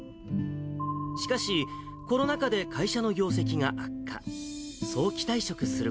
しかし、コロナ禍で会社の業績が悪化。